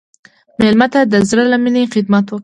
مېلمه ته د زړه له میني خدمت وکړه.